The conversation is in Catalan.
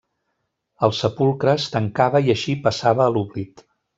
El sepulcre es tancava i així passava a l'oblit.